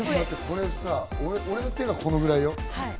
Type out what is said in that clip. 俺の手がこのぐらいよ。